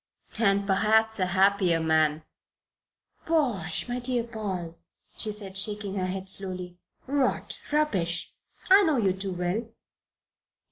"And perhaps a happier man." "Bosh, my dear Paul!" she said, shaking her head slowly. "Rot! Rubbish! I know you too well.